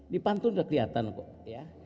dipantun gak keliatan kok ya